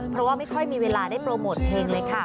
เพราะว่าไม่ค่อยมีเวลาได้โปรโมทเพลงเลยค่ะ